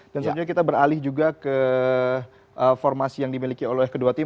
dan sejujurnya kita beralih juga ke formasi yang dimiliki oleh kedua tim